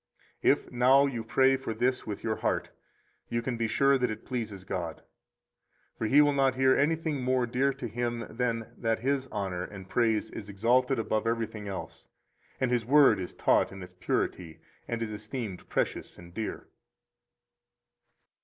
48 If now you pray for this with your heart, you can be sure that it pleases God; for He will not hear anything more dear to Him than that His honor and praise is exalted above everything else, and His Word is taught in its purity and is esteemed precious and dear.